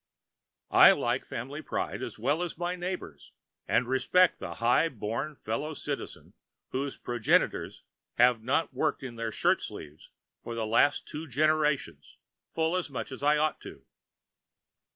I like family pride as well as my neighbors, and respect the high born fellow citizen whose progenitors have not worked in their shirt sleeves for the last two generations full as much as I ought to.